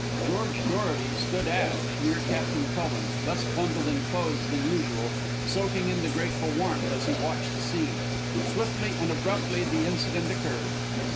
George Dorety stood aft, near Captain Cullen, less bundled in clothes than usual, soaking in the grateful warmth as he watched the scene. Swiftly and abruptly the incident occurred.